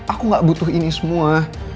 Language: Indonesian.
aku gak butuh ini semua